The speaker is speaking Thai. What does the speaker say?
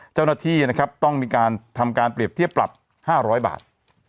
เจ้าหน้าที่นะครับต้องมีการทำการเปรียบเทียบปรับ๕๐๐บาท